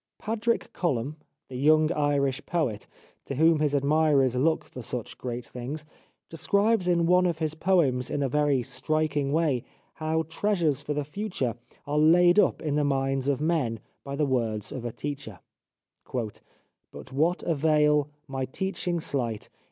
Padraic Colum, the young Irish poet, to whom his admirers look for such great things, describes in one of his poems in a very striking way how treasures for the future are laid up in the minds of men by the words of a teacher. "But what avail my teaching slight